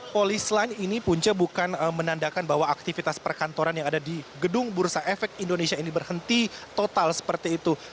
polis lain ini punca bukan menandakan bahwa aktivitas perkantoran yang ada di gedung bursa efek indonesia ini berhenti total seperti itu